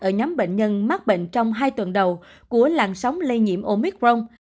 ở nhóm bệnh nhân mắc bệnh trong hai tuần đầu của làn sóng lây nhiễm omicron